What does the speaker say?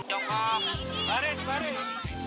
jokong baris baris